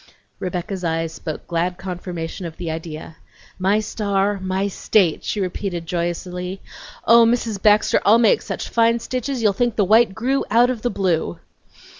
Rebecca's eyes spoke glad confirmation of the idea. "My star, my state!" she repeated joyously. "Oh, Mrs. Baxter, I'll make such fine stitches you'll think the white grew out of the blue!"